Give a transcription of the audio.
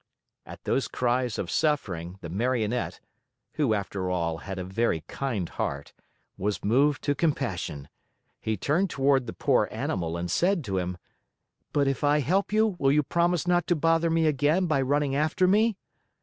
At those cries of suffering, the Marionette, who after all had a very kind heart, was moved to compassion. He turned toward the poor animal and said to him: "But if I help you, will you promise not to bother me again by running after me?"